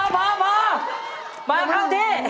มาข้างที่